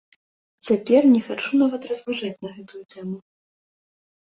Цяпер не хачу нават разважаць на гэтую тэму.